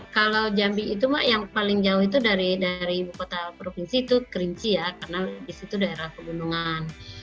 di kabupaten kerinci itu kerinci ya karena di situ daerah kebunungan